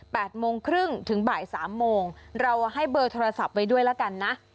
โมงครึ่งถึงบ่ายสามโมงเราให้เบอร์โทรศัพท์ไว้ด้วยแล้วกันนะ